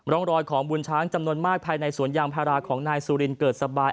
ร่องรอยของบุญช้างจำนวนมากภายในสวนยางพาราของนายสุรินเกิดสบาย